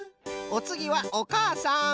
おつぎはおかあさん。